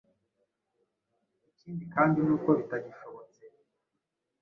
ikindi kandi nuko bitagishobotse